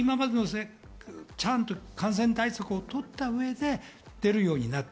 ちゃんと感染対策を取った上で出るようになった。